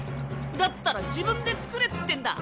だったら自分で作れってんだ。